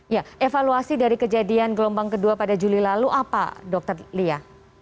ya evaluasi dari kejadian gelombang kedua pada juli lalu apa dokter lia